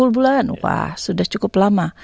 sepuluh bulan wah sudah cukup lama